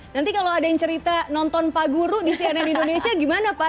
nanti kalau ada yang cerita nonton pak guru di cnn indonesia gimana pak